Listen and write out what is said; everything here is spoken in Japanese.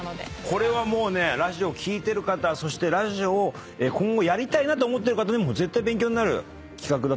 これはもうラジオ聴いてる方そしてラジオを今後やりたいなと思ってる方にも。